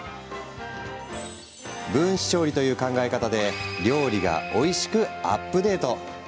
分子調理という考え方で料理がおいしくアップデート。